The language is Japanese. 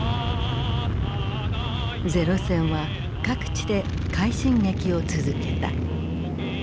零戦は各地で快進撃を続けた。